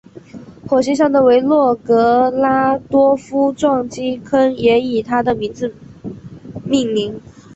火星上的维诺格拉多夫撞击坑也以他的名字命名。